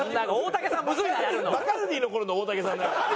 バカルディの頃の大竹さんだから。